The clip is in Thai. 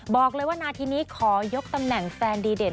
บอกเลยว่านาทีนี้ขอยกตำแหน่งแฟนดีเด่น